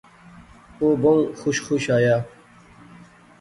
او بہوں خوش خوش آیا